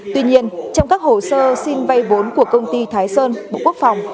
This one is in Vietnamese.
tuy nhiên trong các hồ sơ xin vay vốn của công ty thái sơn bộ quốc phòng